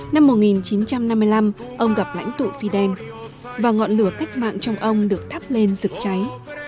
năm một nghìn chín trăm năm mươi năm ông gặp lãnh tụ fidel và ngọn lửa cách mạng trong ông được thắp lên rực cháy